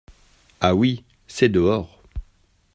Ah ! oui !… c’est dehors !